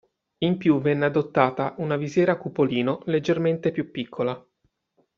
In più venne adottata una visiera cupolino leggermente più piccola.